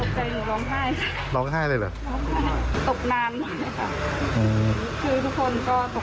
ตกใจหนูร้องไห้ร้องไห้เลยเหรอร้องไห้ตกนานเลยครับ